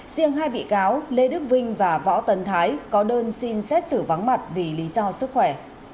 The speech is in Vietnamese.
riêng hai bị cáo lê đức vinh và võ tấn thái có đơn xin xét xử vắng mặt vì lý do sức khỏe